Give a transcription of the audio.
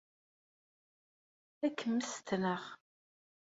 Ad k-mmestneɣ.